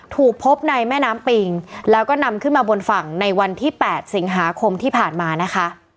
ถูกพบในแม่น้ำปิงแล้วก็นำขึ้นมาบนฝั่งในวันที่๘สิงหาคมที่ผ่านมานะคะ